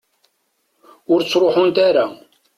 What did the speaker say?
Ur ttruḥunt ara.